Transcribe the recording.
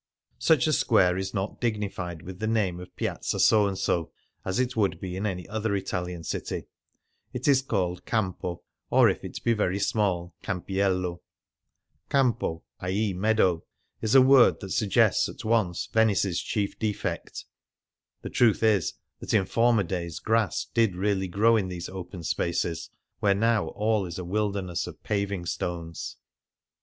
Such a square is not dignified with the name of '• Piazza So and so,'' as it would be in any other Italian city; it is called "Campo," or, if it be very small, "Campiello." Campo 80 Venice on Foot •— i.e., " meadow '— is a M'ord that suggests at once Venice^s chief defect. The truth is that in former days grass did really grow in these open spaces, where now all is a wilderness of paving stones.